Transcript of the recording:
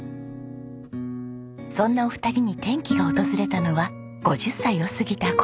そんなお二人に転機が訪れたのは５０歳を過ぎた頃。